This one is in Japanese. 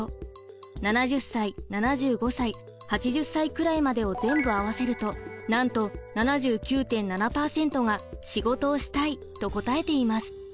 「７０歳」「７５歳」「８０歳くらいまで」を全部合わせるとなんと７９．７％が「仕事をしたい」と答えています。